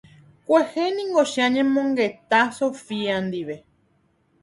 Kuehe ningo che añemongeta Sofía ndive.